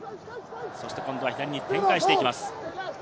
左に展開していきます。